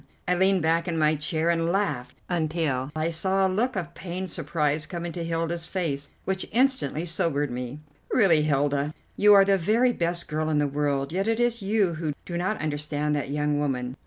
I leaned back in my chair and laughed until I saw a look of pained surprise come into Hilda's face, which instantly sobered me. "Really, Hilda, you are the very best girl in the world, yet it is you who do not understand that young woman.